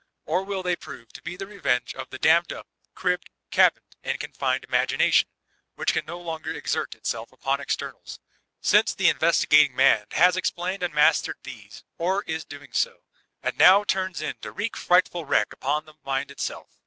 Or will they prove to be the revenge of the dammed up, cribbed, cabined, and confined imagination, which can no longer exert itself upon externals, — since the Investigat ing Man has explained and mastered these or is doiQg so— and now turns in to wreak frightful wreck upon the mind itself?